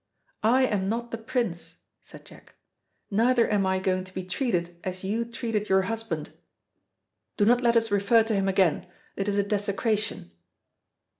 "I am not the Prince," said Jack, "neither am I going to be treated as you treated your husband. Do not let us refer to him again; it is a desecration."